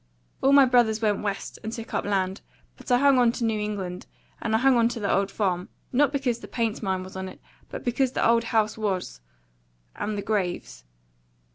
All my brothers went West, and took up land; but I hung on to New England and I hung on to the old farm, not because the paint mine was on it, but because the old house was and the graves.